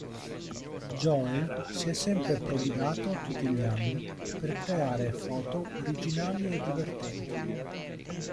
Joel si è sempre prodigato tutti gli anni per creare foto originali e divertenti.